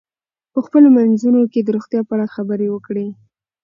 په خپلو منځونو کې د روغتیا په اړه خبرې وکړئ.